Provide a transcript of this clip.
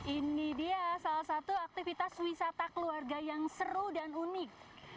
ini dia salah satu aktivitas wisata keluarga yang seru dan unik